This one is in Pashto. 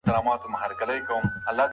چې پردي نشئ.